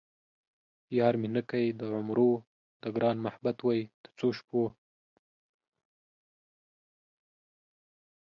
یار مې نه کئ د عمرو ـ د ګران محبت وئ د څو شپو